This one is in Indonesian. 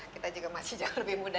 kita juga masih jauh lebih muda